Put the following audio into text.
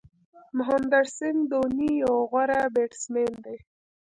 مهندر سنگھ دهوني یو غوره بېټسمېن دئ.